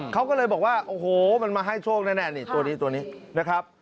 เขาก็เลยบอกว่าโอ้โหมันมาให้โชคแน่นี่ตัวนี้ตัวนี้นะครับ